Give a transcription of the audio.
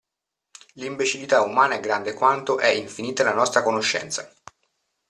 L'imbecillità umana è grande quanto è infinita la nostra conoscenza.